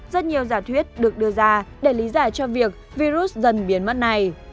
rất nhiều giả thuyết được đưa ra để lý giải cho việc virus dần biến mất này